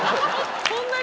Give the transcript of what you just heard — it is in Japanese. そんなに？